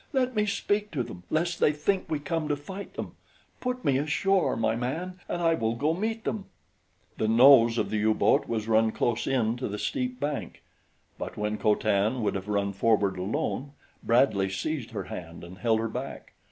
Let me speak to them lest they think we come to fight them. Put me ashore, my man, and I will go meet them." The nose of the U boat was run close in to the steep bank; but when Co Tan would have run forward alone, Bradley seized her hand and held her back.